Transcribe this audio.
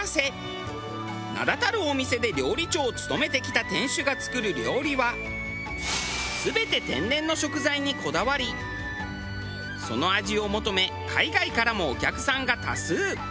名だたるお店で料理長を務めてきた店主が作る料理は全て天然の食材にこだわりその味を求め海外からもお客さんが多数。